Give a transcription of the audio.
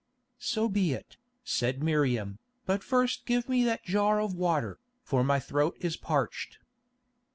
"So be it," said Miriam, "but first give me that jar of water, for my throat is parched."